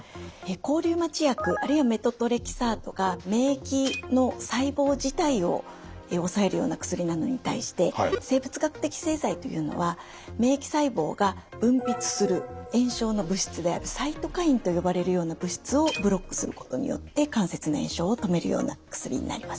抗リウマチ薬あるいはメトトレキサートが免疫の細胞自体を抑えるような薬なのに対して生物学的製剤というのは免疫細胞が分泌する炎症の物質であるサイトカインと呼ばれるような物質をブロックすることによって関節の炎症を止めるような薬になります。